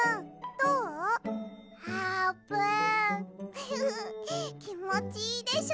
フフフきもちいいでしょ！